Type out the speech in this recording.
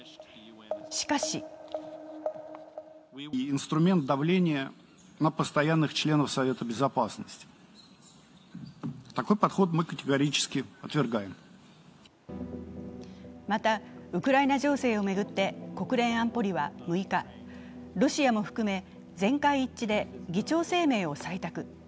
しかしまたウクライナ情勢を巡って国連安保理は６日、ロシアも含め全会一致で議長声明を採択。